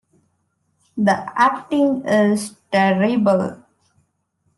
The acting is terrible.